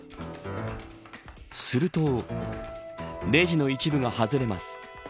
するとレジの一部が外れます。